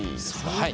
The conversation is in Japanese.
はい。